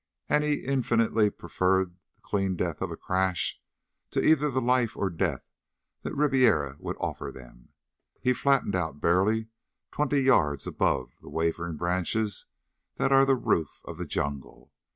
And he infinitely preferred the clean death of a crash to either the life or death that Ribiera would offer them. He flattened out barely twenty yards above the waving branches that are the roof of the jungle.